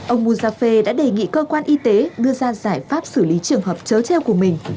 ông muzafe đã đề nghị cơ quan y tế đưa ra giải pháp xử lý trường hợp chớ treo của mình